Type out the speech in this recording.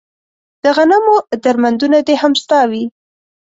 د غنمو درمندونه دې هم ستا وي